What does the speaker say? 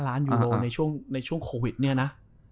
ล้านยูโรในช่วงโควิดเนี่ยนะ